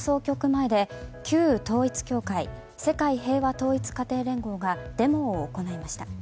前で旧統一教会世界平和統一家庭連合がデモを行いました。